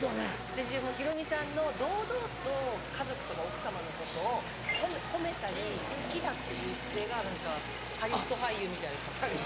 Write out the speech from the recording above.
私もヒロミさんの堂々と家族とか奥様のことを褒めたり好きだっていう姿勢が何かハリウッド俳優みたいでカッコいい。